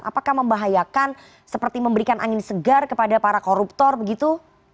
apakah membahayakan seperti memberikan angin segar kepada para koruptor begitu